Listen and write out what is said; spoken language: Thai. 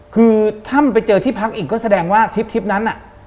คือถ้ามันไปเจอที่พักอีกก็แสดงว่าทริปนั้นน่ะ